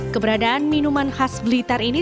keberadaan minuman khas blitar ini